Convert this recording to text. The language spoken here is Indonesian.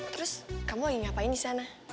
terus kamu ingin ngapain di sana